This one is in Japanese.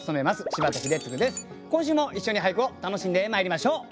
今週も一緒に俳句を楽しんでまいりましょう。